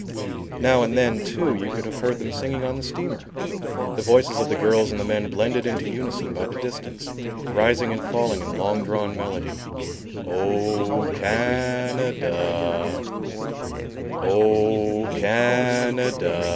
Now and then, too, you could have heard them singing on the steamer, the voices of the girls and the men blended into unison by the distance, rising and falling in long drawn melody: "O Can a da O Can a da."